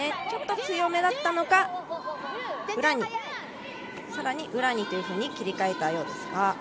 ちょっと強めだったのか更に裏にというふうに切り替えたようですが。